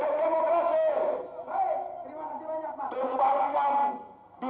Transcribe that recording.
tembakan dinasti anti demokrasi